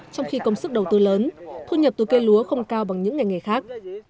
trong khi công sức đầu tư lớn thu nhập từ cây lúa không cao bằng những ngành nghề khác